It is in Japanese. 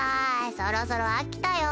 そろそろ飽きたよ。